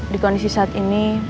di kondisi saat ini